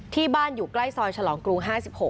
ที่บ้านอยู่ใกล้ซอยฉลองกรุง๕๖